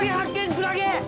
クラゲ！